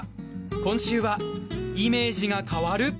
今週はイメージが変わる！？